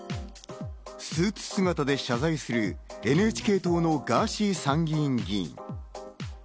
スーツ姿で謝罪するＮＨＫ党のガーシー参議院議員。